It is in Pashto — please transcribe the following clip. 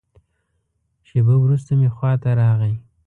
شېبه وروسته مې خوا ته راغی.